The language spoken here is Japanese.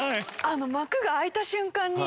幕が開いた瞬間に。